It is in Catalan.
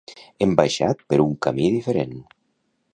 Hem baixat per un camí diferent.